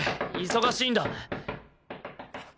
忙しいんだ。